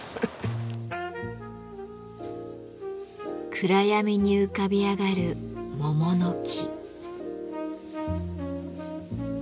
暗闇に浮かび上がる桃の木。